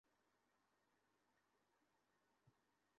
Ramesses, নেমে এসো!